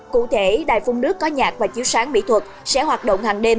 cụ thể đài phun nước có nhạc và chiếu sáng mỹ thuật sẽ hoạt động hàng đêm